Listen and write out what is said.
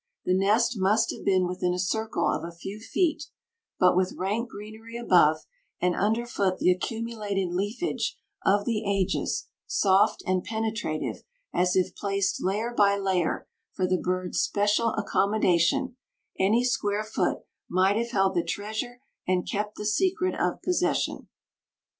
The nest must have been within a circle of a few feet, but with rank greenery above and underfoot the accumulated leafage of the ages, soft and penetrative as if placed layer by layer for the bird's special accommodation, any square foot might have held the treasure and kept the secret of possession.